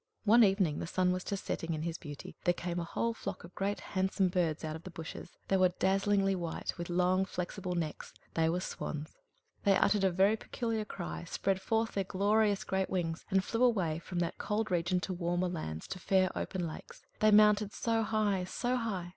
One evening the sun was just setting in his beauty there came a whole flock of great, handsome birds out of the bushes. They were dazzlingly white, with long, flexible necks they were swans. They uttered a very peculiar cry, spread forth their glorious great wings, and flew away from that cold region to warmer lands, to fair open lakes. They mounted so high, so high!